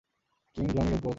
Kim Jong hyuk কোথায়?